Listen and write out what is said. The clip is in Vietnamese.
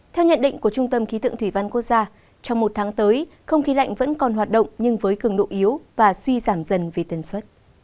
theo nhận định của trung tâm khí tượng thủy văn quốc gia trong một tháng tới không khí lạnh vẫn còn hoạt động nhưng với cường độ yếu và suy giảm dần vì tần suất